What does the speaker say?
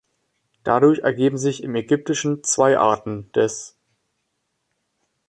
Dadurch ergeben sich in Ägyptischen zwei Arten des „ʾ“.